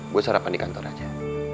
gue sarapan di kantor aja